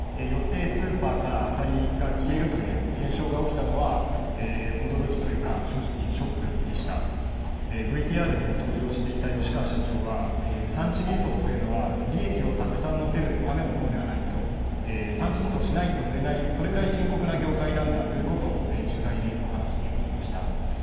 よってスーパーからアサリが消えるという現象が起きたのは驚きというか、正直ショックでしたＶＴＲにも登場していた吉川社長は、産地偽装というのは利益をたくさん乗せるためのものではない産地偽装しないと売れない、それぐらい深刻な業界なんだということを取材で話していました。